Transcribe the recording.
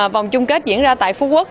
vòng chung kết diễn ra tại phú quốc